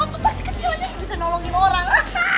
waktu kecil waktu kecilnya nggak bisa nolongin orang